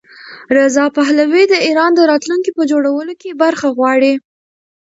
رضا پهلوي د ایران د راتلونکي په جوړولو کې برخه غواړي.